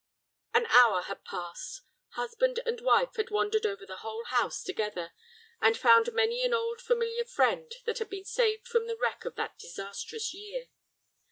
An hour had passed. Husband and wife had wandered over the whole house together, and found many an old familiar friend that had been saved from the wreck of that disastrous year.